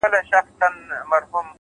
مهرباني د انسانیت خاموشه ژبه ده’